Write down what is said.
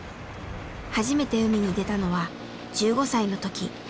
初めて海に出たのは１５歳の時。